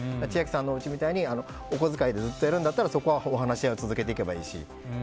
千秋さんのおうちみたいにお小遣いでやるならそこは話し合いを続けていけばいいし。